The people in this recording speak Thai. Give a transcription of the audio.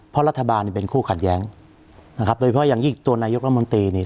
เพราะรัฐบาลเป็นคู่ขัดแย้งโดยเพราะอย่างอีกตัวนายกรมนตรี